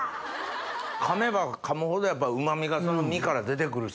噛めば噛むほどやっぱうま味がその身から出て来るし。